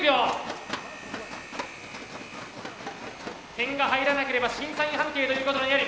点が入らなければ審査員判定ということになる。